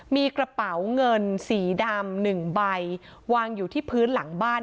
มีกระเป๋าเงินสีดำ๑ใบวางอยู่ที่พื้นหลังบ้าน